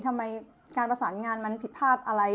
ทำไมการประสานงานมันผิดพลาดอะไร